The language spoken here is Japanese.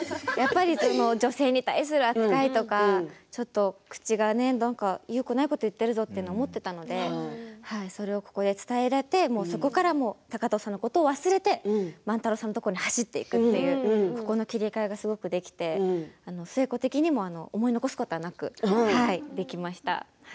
女性に対する扱いとかちょっと口がよくないことを言っているぞと思っていたのでそれをここで伝えてそこから高藤さんのことを忘れて万太郎さんのところに走っていくというここの切り替えがすごくできて寿恵子的にも思い残すことなくできました。